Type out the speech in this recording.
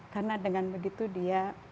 karena dengan begitu dia